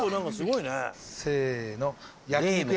せの。